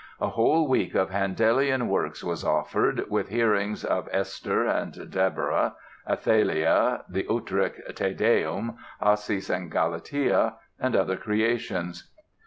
A whole week of Handelian works was offered, with hearings of "Esther", "Deborah", "Athalia", the Utrecht Te Deum, "Acis and Galatea" and other creations.